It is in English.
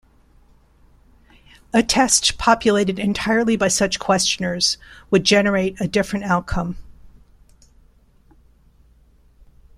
A test populated entirely by such questioners would generate a different outcome.